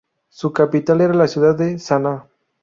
Su capital era la ciudad de Saná.